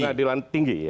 di pengadilan tinggi ya